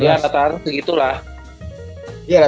ya rata rata segitu lah